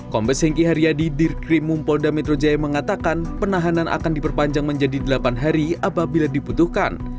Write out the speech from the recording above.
kombes hengki haryadi dirkrimum polda metro jaya mengatakan penahanan akan diperpanjang menjadi delapan hari apabila dibutuhkan